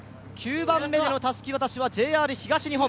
９番目のたすき渡しはＪＲ東日本。